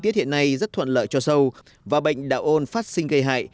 tiết hiện nay rất thuận lợi cho sâu và bệnh đạo ôn phát sinh gây hại